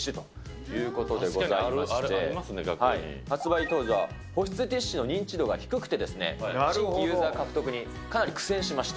発売当時は保湿ティシュの認知度が低くて、新規ユーザー獲得にかなり苦戦しました。